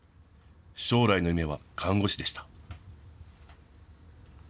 将来の夢は看護師でした。